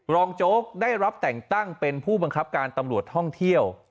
โจ๊กได้รับแต่งตั้งเป็นผู้บังคับการตำรวจท่องเที่ยว